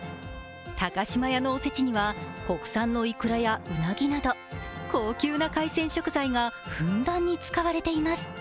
高島屋のおせちには国産のいくらやうなぎなど、高級な海鮮食材がふんだんに使われています。